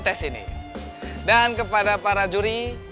jangan lupa and run